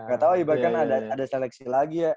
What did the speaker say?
gak tau ibaratnya ada seleksi lagi ya